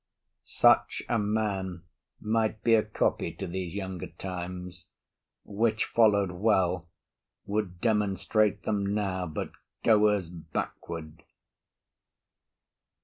Such a man Might be a copy to these younger times; Which, followed well, would demonstrate them now But goers backward.